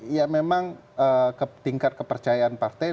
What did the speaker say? ya memang tingkat kepercayaan partai